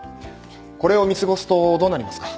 これを見過ごすとどうなりますか？